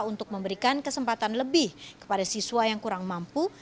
untuk memberikan kesempatan lebih kepada siswa yang kurang mampu